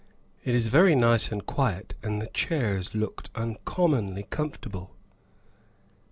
It is very nice and quiet and the chairs looked uncommonly comfortable.